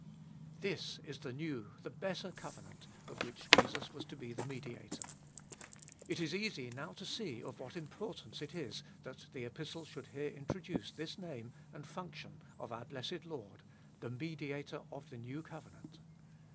This is the new, the better covenant, of which Jesus was to be the Mediator. It is easy now to see of what importance it is that the Epistle should here introduce this name and function of our blessed Lord, the Mediator of the new cove nant.